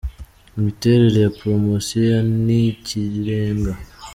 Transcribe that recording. Imiterere ya Poromosiyo ya Ni Ikirengaa.